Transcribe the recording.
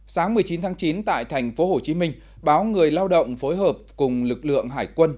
sáng một mươi chín tháng chín tại thành phố hồ chí minh báo người lao động phối hợp cùng lực lượng hải quân